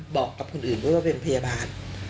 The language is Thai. บอกกับคนอื่นด้วยว่าเป็นพยาบาล